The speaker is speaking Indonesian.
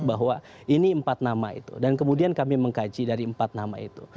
bahwa ini empat nama itu dan kemudian kami mengkaji dari empat nama itu